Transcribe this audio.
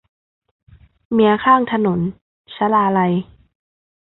เมียข้างถนน - ชลาลัย